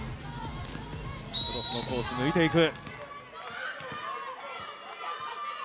クロスのコース、抜いていく。